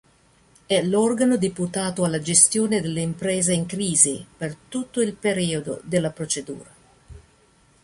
È l’organo deputato alla gestione dell’impresa in crisi per tutto il periodo della procedura.